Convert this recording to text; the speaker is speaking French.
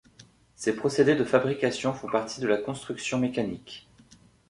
Ces procédés de fabrication font partie de la construction mécanique.